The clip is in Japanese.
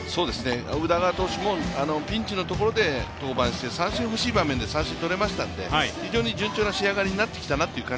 宇田川投手もピンチのところで登板して、三振がほしい場面で三振が取れましたので、非常に順調な仕上がりになってきましたね。